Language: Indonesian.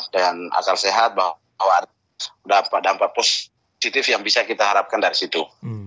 dengan akal sehat bahwa ada dampak positif yang bisa kita harapkan dari situ